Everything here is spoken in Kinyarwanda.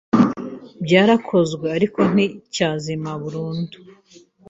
byarakozwe ariko nticyazima burundu